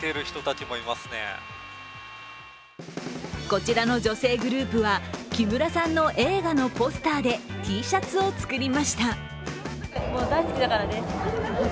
こちらの女性グループは、木村さんの映画のポスターでＴシャツを作りました。